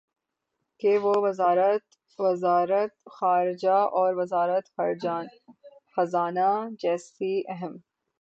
کہ وہ وزارت خارجہ اور وزارت خزانہ جیسی اہم